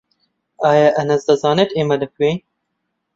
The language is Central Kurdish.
ئایا ئەنەس دەزانێت ئێمە لەکوێین؟